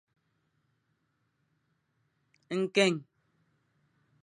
Nkeng!